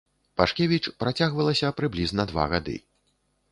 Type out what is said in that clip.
Пашкевіч працягвалася прыблізна два гады.